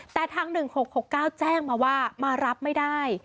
แต่ทาง๑๖๖๙แจ้งมาว่ามารับไม่ได้